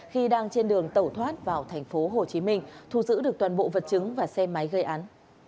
khi đang trên đường tẩu thoát vào thành phố hồ chí minh thu giữ được toàn bộ vật chứng và xe máy gây án